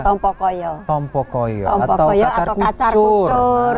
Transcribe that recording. tompokoyo tompokoyo atau kacar kucur